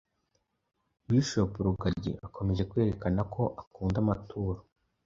Bishop Rugagi akomeje kwerekana ko akunda amaturo